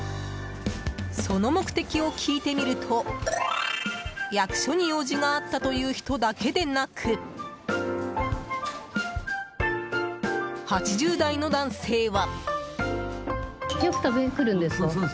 その目的を聞いてみると役場に用事があったという人だけでなく８０代の男性は。